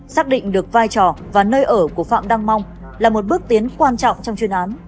xác định được vai trò và nơi ở của phạm đăng mong là một bước tiến quan trọng trong chuyên án